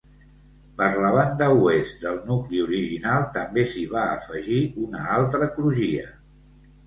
Per la banda oest del nucli original també s'hi va afegir una altra crugia.